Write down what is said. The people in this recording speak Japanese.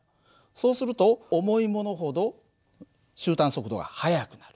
そうすると重いものほど終端速度が速くなる。